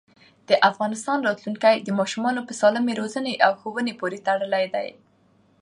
د افغانستان راتلونکی د ماشومانو په سالمې روزنې او ښوونې پورې تړلی دی.